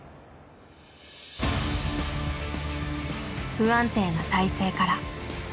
不安定な体勢から。